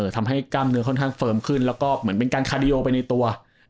ทำให้กล้ามเนื้อค่อนข้างเฟิร์มขึ้นแล้วก็เหมือนเป็นการคาดีโอไปในตัว